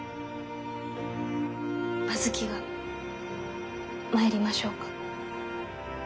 阿月が参りましょうか？